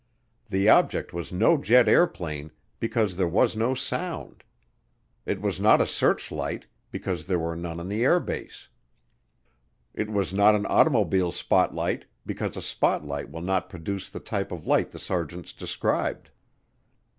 The object was no jet airplane because there was no sound. It was not a searchlight because there were none on the air base. It was not an automobile spotlight because a spotlight will not produce the type of light the sergeants described.